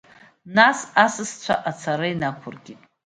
Нас асасцәа ацара инақәыркит.